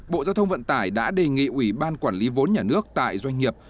bộ giao thông vận tải đã đề nghị ủy ban quản lý vốn nhà nước tại doanh nghiệp